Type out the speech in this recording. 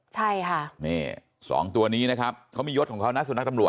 ใช่ค่ะนี่สองตัวนี้นะครับเขามียศของเขานะสุนัขตำรวจ